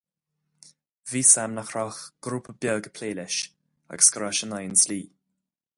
Bhí fhios agam nach raibh ach grúpa beag ag plé leis, agus go raibh sé in aghaidh an dlí.